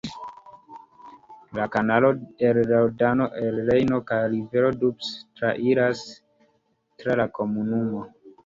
La kanalo el Rodano al Rejno kaj la rivero Doubs trairas tra la komunumo.